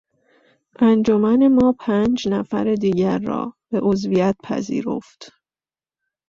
انجمن ما پنج نفر دیگر را به عضویت پذیرفت.